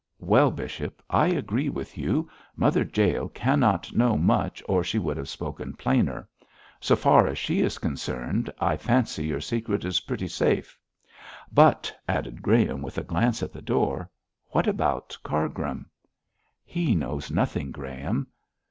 'Well, bishop, I agree with you. Mother Jael cannot know much or she would have spoken plainer. So far as she is concerned, I fancy your secret is pretty safe; but,' added Graham, with a glance at the door, 'what about Cargrim?' 'He knows nothing, Graham.'